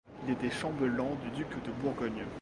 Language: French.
Il était chambellan du duc de Bourgogne.